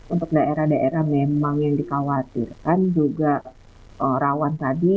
untuk daerah daerah memang yang dikhawatirkan juga rawan tadi